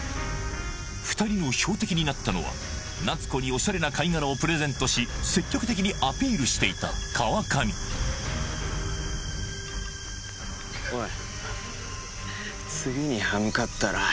２人の標的になったのは夏子にオシャレな貝殻をプレゼントし積極的にアピールしていた川上おい